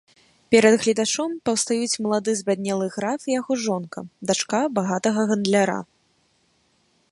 Перад гледачом паўстаюць малады збяднелы граф і яго жонка, дачка багатага гандляра.